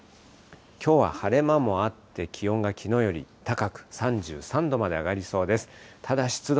きょうは晴れ間もあって、気温がきのうより高く、３３度まで上がりそうです。